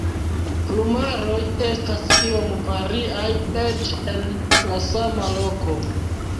Plumaroj estas iom variaj eĉ en la sama loko.